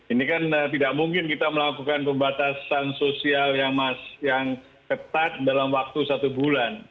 ini kan tidak mungkin kita melakukan pembatasan sosial yang ketat dalam waktu satu bulan